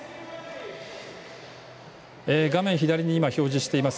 画面左に表示しています